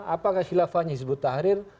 apakah khilafahnya hizbut tahrir